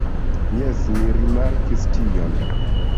Jes, mi rimarkis tion.